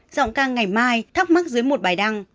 giọng cang ngày mai thắc mắc dưới một bài đăng